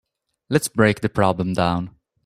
Let's break the problem down.